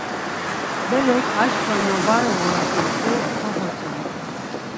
Berek, aşǩva na var ğurasert̆u koxvotzonu.